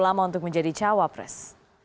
ulama untuk menjadi cawa pres